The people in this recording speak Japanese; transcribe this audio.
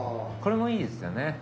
これもいいですよね。